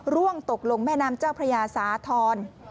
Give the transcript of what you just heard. ร่วงตกลงแม่น้ำเจ้าพระยาสาธรณ์